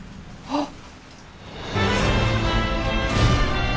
あっ。